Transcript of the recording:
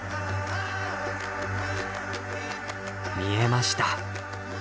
見えました。